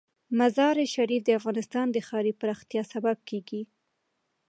مزارشریف د افغانستان د ښاري پراختیا سبب کېږي.